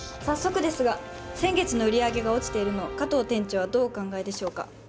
早速ですが先月の売り上げが落ちているの加藤店長はどうお考えでしょうか？